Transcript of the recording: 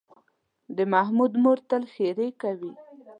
د محمود مور تل ښېرې کوي.